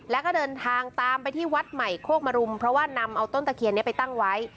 แล้วก็เดินทางตามไปที่วัดใหม่โคกมรุมเพราะว่านำเอาต้นตะเคียนนี้ไปตั้งไว้